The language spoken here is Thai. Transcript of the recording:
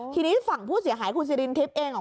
ทีนี้ฝั่งผู้เสียหายคุณสิรินทิพย์เอง